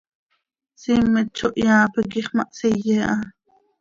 Siimet zo hiyaa piquix, ma hsiye aha.